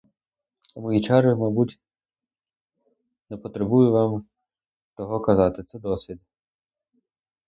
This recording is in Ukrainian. А мої чари, мабуть, не потребую вам того казати, це досвід.